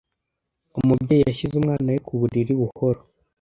Umubyeyi yashyize umwana we ku buriri buhoro.